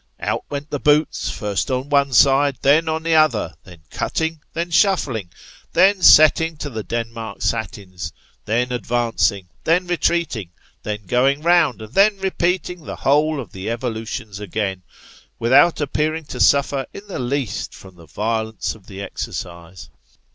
Out went the boots, first on one side, then on the other, then cutting, then shuffling, then setting to the Denmark satins, then advancing, then retreating, then going round, and then repeating the whole of the evolutions again, without appearing to suffer in the least from the violence of the exercise.